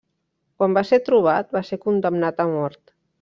Quan va ser trobat, va ser condemnat a mort.